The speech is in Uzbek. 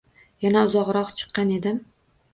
Yana uzoqroqqa chiqqan edim.